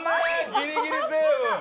ギリギリセーフ！